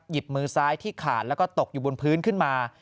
มือซ้ายที่ขาดแล้วก็ตกอยู่บนพื้นขึ้นมา